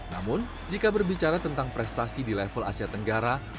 namun jika berbicara tentang prestasi di level asia tenggara